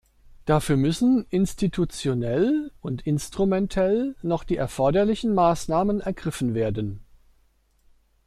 Dafür müssen institutionell und instrumentell noch die erforderlichen Maßnahmen ergriffen werden.